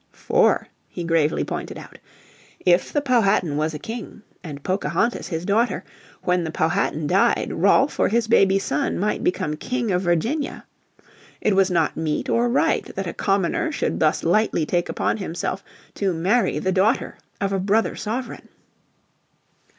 "For," he gravely pointed out, "if the Powhatan was a king and Pocahontas his daughter, when the Powhatan died Rolfe or his baby son might become King of Virginia. It was not meet or right that a commoner should thus lightly take upon himself to marry the daughter of a brother sovereign."